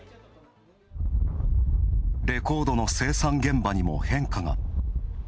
レコードの生産現場にも変化が。